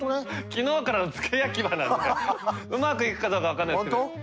昨日からの付け焼き刃なんでうまくいくかどうか分かんないですけどやらせてもらいます。